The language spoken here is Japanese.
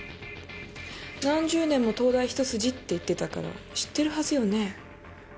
何十年も東大一筋って言ってたから知ってるはずよね。